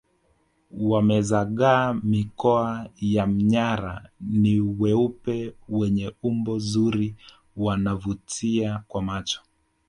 Wamezagaa mikoa ya manyara ni weupe wenye umbo zuri wanavutia kwa macho